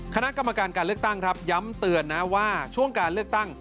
คณะกรรมการการเลือกตั้งครับย้ำเตือนนะว่าช่วงการเลือกตั้ง